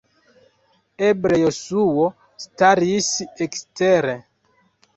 Eble Jesuo staris ekstere!